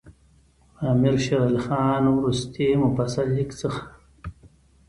د امیر شېر علي خان وروستي مفصل لیک څخه.